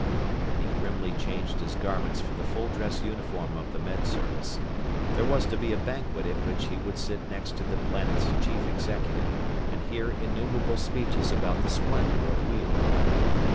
Then he grimly changed his garments for the full dress uniform of the Med Service. There was to be a banquet at which he would sit next to the planet's chief executive and hear innumerable speeches about the splendor of Weald.